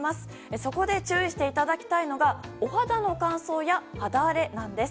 そこで注意していただきたいのはお肌の乾燥や肌荒れなんです。